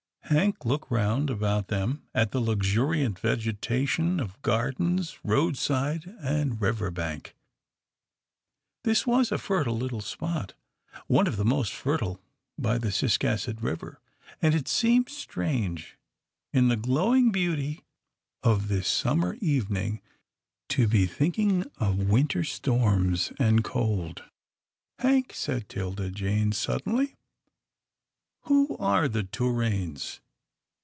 Hank looked round about them at the luxuriant vegetation of gardens, roadside, and river bank. This was a fertile little spot, one of the most fertile by the Ciscasset River, and it seemed strange, in the glowing beauty of this summer evening, to be thinking of winter storms and cold. " Hank," said 'Tilda Jane, suddenly, " who are the Torraines?"